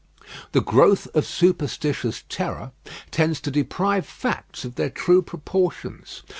The growth of superstitious terror tends to deprive facts of their true proportions.